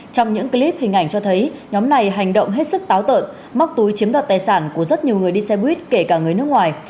trong những clip hình ảnh cho thấy nhóm này hành động hết sức táo tợn móc túi chiếm đoạt tài sản của rất nhiều người đi xe buýt kể cả người nước ngoài